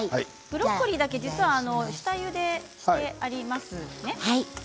ブロッコリーだけ実は下ゆでしてありますね。